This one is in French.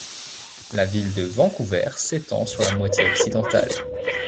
La ville de Vancouver s'étend sur la moitié occidentale.